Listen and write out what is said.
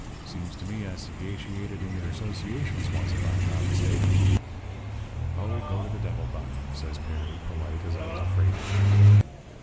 Seems to me I sagatiated in your associations once, if I am not mistaken.' "'Oh, go to the devil, Buck,' says Perry, polite, as I was afraid he'd be.